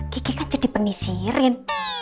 kiki kan jadi penisirin